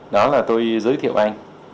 đó là tôi giới thiệu anh